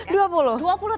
di umur dua puluh betul kan